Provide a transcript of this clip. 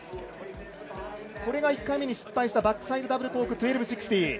これが１回目に失敗したバックサイドダブルコーク１２６０。